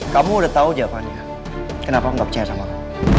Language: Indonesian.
kamu udah tau jawabannya kenapa gak percaya sama aku